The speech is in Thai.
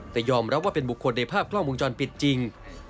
แต่ยอมรับว่าเป็นบุคคลในภาพกล้องวงจรปิดจริง